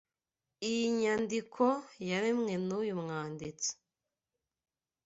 Iyi nyandiko yaremwe nuyu mwanditsi